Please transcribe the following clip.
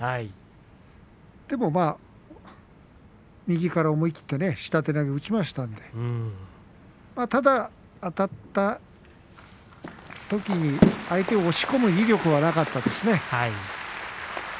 でも右から思い切って下手投げを打ちましたのでただあたったときに、相手を押し込む威力がなかったですね。